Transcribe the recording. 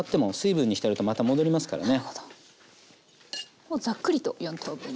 もうざっくりと４等分に。